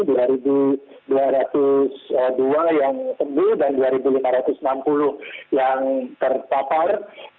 dua dua ratus dua yang sembuh dan dua lima ratus enam puluh yang terpapar